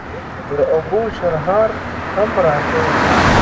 د اوبو شرهار هم راته.